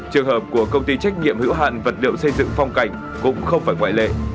trường hợp của công ty trách nhiệm hữu hạn vật liệu xây dựng phong cảnh cũng không phải ngoại lệ